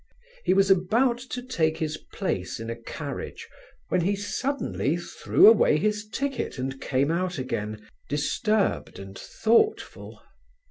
He was about to take his place in a carriage, when he suddenly threw away his ticket and came out again, disturbed and thoughtful.